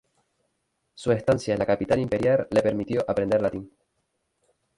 Su estancia en la capital imperial le permitió aprender latín.